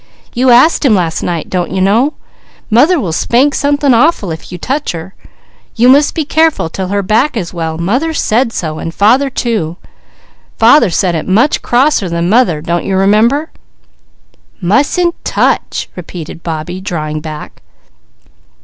You asked Him last night, don't you know? Mother will spank something awful if you touch her. You must be careful 'til her back is well, mother said so, and father too; father said it crosser than mother, don't you remember?" "Mustn't touch!" repeated Bobbie, drawing back.